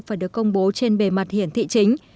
phải được công bố trên bề mặt hiển thị chính